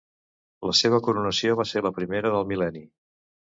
La seva coronació va ser la primera del mil·lenni.